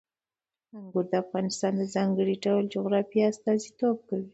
انګور د افغانستان د ځانګړي ډول جغرافیه استازیتوب کوي.